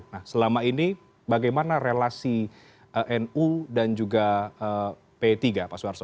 nah selama ini bagaimana relasi nu dan juga p tiga pak suwarso